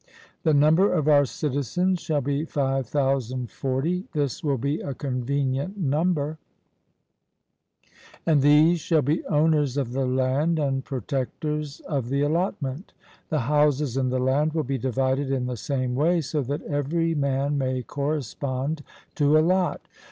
The number of our citizens shall be 5040 this will be a convenient number; and these shall be owners of the land and protectors of the allotment. The houses and the land will be divided in the same way, so that every man may correspond to a lot.